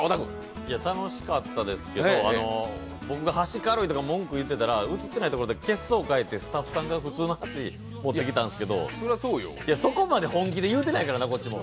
楽しかったですけど、僕が箸軽いとか文句言ってたら、映ってないとこでスタッフさんが血相変えてスタッフさんが普通の箸持ってきたんですけどそこまで本気で言うてないからな、こっちも。